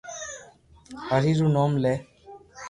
ھري رو نوم لي